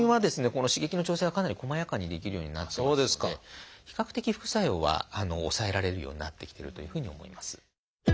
この刺激の調整がかなりこまやかにできるようになっていますので比較的副作用は抑えられるようになってきてるというふうに思います。